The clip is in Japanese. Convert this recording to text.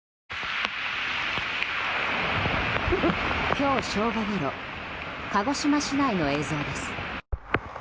今日正午ごろ鹿児島市内の映像です。